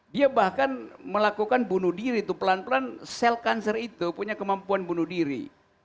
dia bahkan melakukan bunuh diri tuh pelan pelan sel kanser itu punya kemampuan bunuh diri